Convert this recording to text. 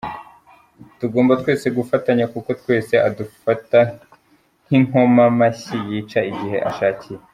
Tugomba twese gufatanya kuko twese adufata nk’inkoma mashyi yica igihe ashakiye.